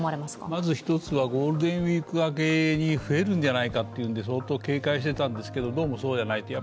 まず１つはゴールデンウイーク明けに増えるんじゃないかっていうので相当警戒していたんですけれども、どうもそうじゃない。